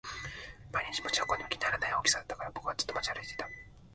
毎日持ち運んでも気にならない大きさだったから僕はずっと持ち歩いていた